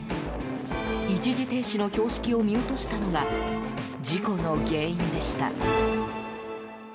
一時停止の標識を見落としたのが事故の原因でした。